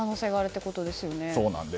そうなんですよね。